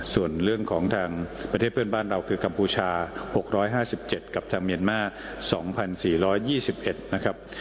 ส่วนเรื่องของทางประเทศเพื่อนบ้านเราคือกัมพูชา๖๕๗กับทางเมียนมาร์๒๔๒๑นะครับ